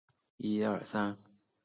古尔比人口变化图示